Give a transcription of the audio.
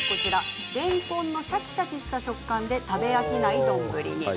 れんこんのシャキシャキした食感で食べ飽きない丼に。